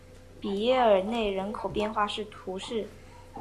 比耶尔内人口变化图示